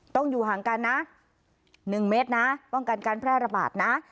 ต้องอยู่ห่างกันนะ๑เมตรนะป้องกันการแพร่ระบาดนะ